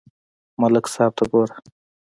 ملک صاحب ته گوره